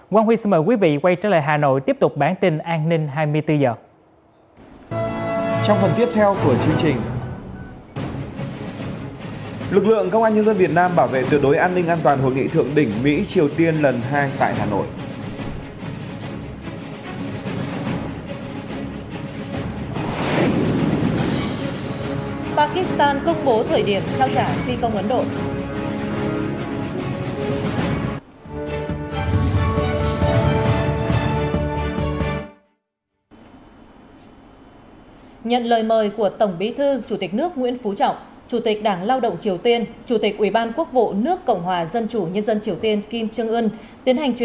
quang huy xin mời quý vị quay trở lại hà nội tiếp tục bản tin an ninh hai mươi bốn h